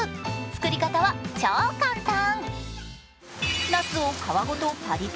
作り方は超簡単。